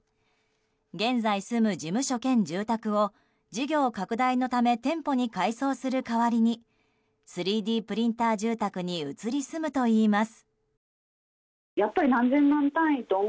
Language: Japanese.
現在住む事務所兼住宅を事業拡大のため店舗に改装する代わりに３Ｄプリンター住宅に移り住むといいます。